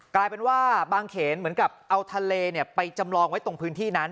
กลายเป็นว่าบางเขนเหมือนกับเอาทะเลไปจำลองไว้ตรงพื้นที่นั้น